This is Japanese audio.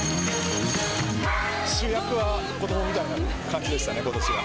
主役は子どもみたいな感じでしたね、ことしは。